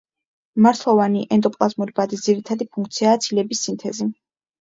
მარცვლოვანი ენდოპლაზმური ბადის ძირითადი ფუნქციაა ცილების სინთეზი.